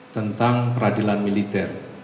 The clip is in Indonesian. tentang peradilan militer